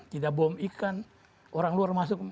tidak bom ikan orang luar masuk